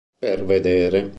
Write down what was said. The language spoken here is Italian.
Per vedere.